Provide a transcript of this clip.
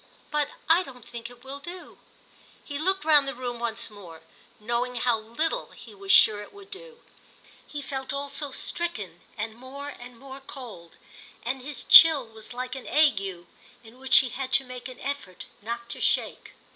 But I don't think it will do." He looked round the room once more, knowing how little he was sure it would do. He felt also stricken and more and more cold, and his chill was like an ague in which he had to make an effort not to shake.